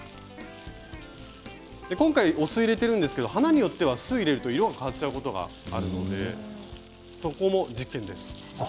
今回、お酢を入れているんですが花によってはお酢を入れると色が変わってしまうこともあるのでそこも実験です。